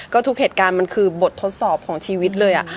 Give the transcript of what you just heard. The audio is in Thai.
ก็ทุกเหตุการณ์มันคือบททดสอบของชีวิตเลย